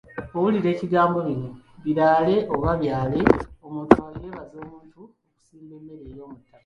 Bw’owulira ekigambo bino Biraale oba byale, omuntu aba yeebaza omuntu okusimba emmere ey’omuttaka.